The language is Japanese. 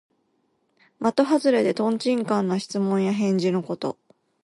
まとはずれで、とんちんかんな質問や返事のこと。